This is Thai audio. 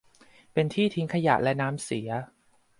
เป็นที่ทิ้งขยะและน้ำเสีย